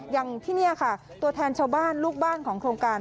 อย่างที่นี่ค่ะตัวแทนชาวบ้านลูกบ้านของโครงการ